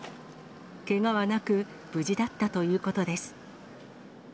けがはなく、無事だったということです。